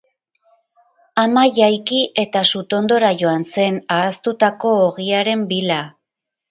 Ama jaiki eta sutondora joan zen, ahaztutako ogiaren bila.